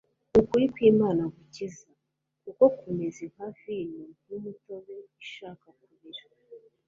Ukuri kw'Imana gukiza, kuko kumeze nka vino y'muutobe ishaka kubira,